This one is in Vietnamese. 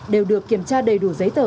đều được kiểm tra đầy đủ giấy tờ